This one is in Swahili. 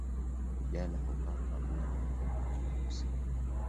Vijana hukaa kambini nje ya kijiji husika